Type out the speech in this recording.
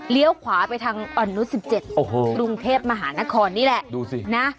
เลี้ยวขวาไปทางอันนุ๑๗กรุงเทพฯมหานครนี่แหละ